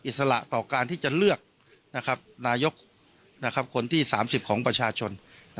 อิสระต่อการที่จะเลือกนายกคนที่๓๐ของประชาชน